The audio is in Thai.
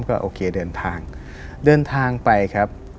ก็โอเคเดินทางไปครับ